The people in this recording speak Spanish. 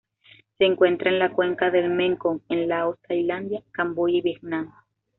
Se encuentra en la cuenca del Mekong en Laos, Tailandia, Camboya y Vietnam.